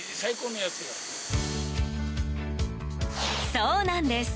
そうなんです。